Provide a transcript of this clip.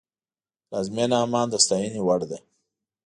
پلازمینه عمان د ستاینې وړ ده.